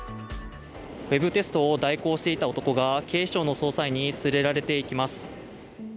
ウェブテストを代行していた男が警視庁の捜査員に連れられていきます。